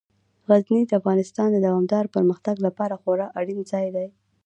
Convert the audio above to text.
غزني د افغانستان د دوامداره پرمختګ لپاره خورا اړین ځای دی.